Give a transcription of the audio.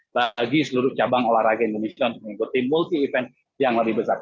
bagi seluruh cabang olahraga indonesia untuk mengikuti multi event yang lebih besar